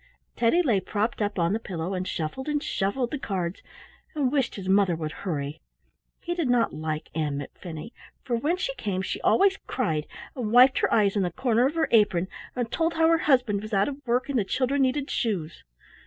Teddy lay propped up on the pillow and shuffled and shuffled the cards, and wished his mother would hurry. He did not like Ann McFinney, for when she came she always cried, and wiped her eyes on the corner of her apron, and told how her husband was out of work, and the children needed shoes.